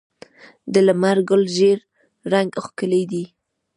د لمر ګل ژیړ رنګ ښکلی دی.